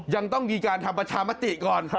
ยังต้องมีการทำประชามติก่อน